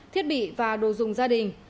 thiết bị và đồ dùng gia đình